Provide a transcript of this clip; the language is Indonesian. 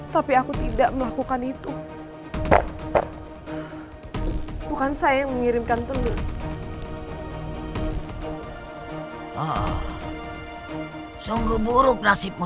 tapi sungguh bukan aku yang melakukan semua itu